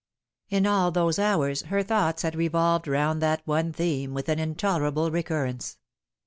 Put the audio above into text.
In all those hours her thoughts had revolved round that one theme with an intolerable recurrence.